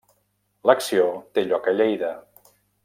L'acció té lloc a Lleida.